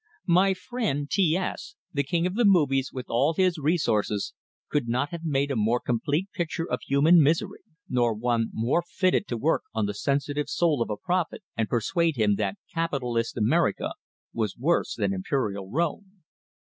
My friend T S, the king of the movies, with all his resources, could not have made a more complete picture of human misery nor one more fitted to work on the sensitive soul of a prophet, and persuade him that capitalist America was worse than imperial Rome.